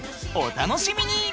お楽しみに！